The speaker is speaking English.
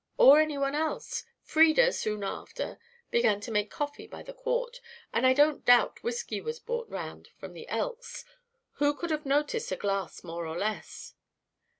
Or any one else? Frieda, soon after, began to make coffee by the quart and I don't doubt whisky was brought round from the Elks. Who could have noticed a glass more or less?"